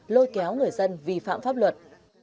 những người dân vi phạm pháp luật